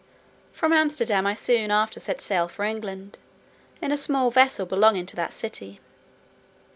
From Amsterdam I soon after set sail for England, in a small vessel belonging to that city.